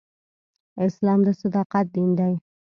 اسلام د صداقت دین دی.